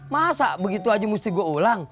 masa begitu aja mesti gue ulang